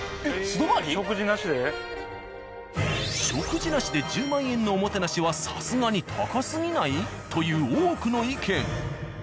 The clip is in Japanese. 「食事なしで１０万円のおもてなしはさすがに高すぎない？」という多くの意見。